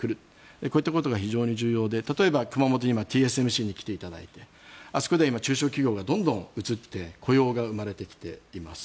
こういったことが重要で例えば熊本にＴＳＭＣに来ていただいてあそこでは今、中小企業がどんどん移って雇用が生まれてきています。